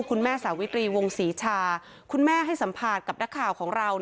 สาวิตรีวงศรีชาคุณแม่ให้สัมภาษณ์กับนักข่าวของเรา